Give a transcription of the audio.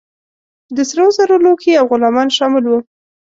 د سرو زرو لوښي او غلامان شامل وه.